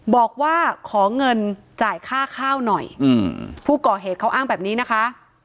บอกว่าขอเงินจ่ายค่าข้าวหน่อยอืมผู้ก่อเหตุเขาอ้างแบบนี้นะคะ